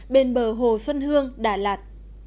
bên bờ hồ xuân hương đà lạt